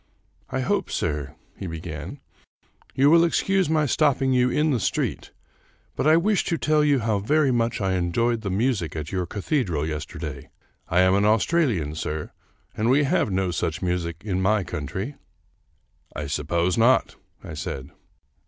" I hope, sir," he began, " you will excuse my stopping you in the street, but I wish to tell you how very much I enjoyed the music at your cathedral yesterday. I am an Australian, sir, and we have no such music in my country." " I suppose not," I said.